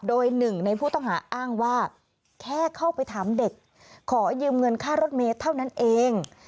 โดยหนึ่งในผู้ต้องหาอ้างว่าแค่เข้าไปถามเด็กขอยืมเงินค่ารถเมย์เท่านั้นเอง